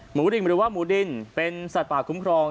ดินหรือว่าหมูดินเป็นสัตว์ป่าคุ้มครอง